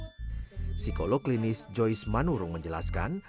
psikolog klinis joyce manurung menjelaskan